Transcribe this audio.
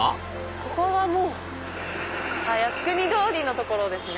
ここは靖国通りの所ですね。